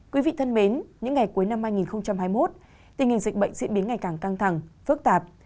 quý vị thân mến những ngày cuối năm hai nghìn hai mươi một tình hình dịch bệnh diễn biến ngày càng căng thẳng phức tạp